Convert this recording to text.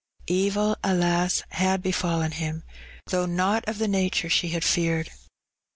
Evil, alas ! had befallen him, thongh not of the nature she had feared.